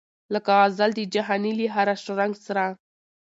لکه غزل د جهاني له هره شرنګه سره